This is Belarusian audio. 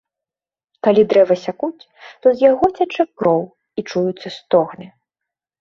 Калі дрэва сякуць, то з яго цячэ кроў і чуюцца стогны.